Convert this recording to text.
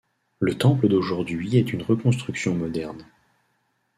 Le temple d'aujourd'hui est une reconstruction moderne.